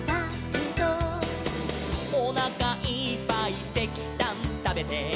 「」「おなかいっぱいせきたんたべて」